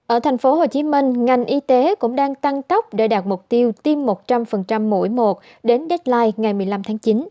ở thành phố hồ chí minh ngành y tế cũng đang tăng tốc để đạt mục tiêu tiêm một trăm linh mũi một đến deadline ngày một mươi năm tháng chín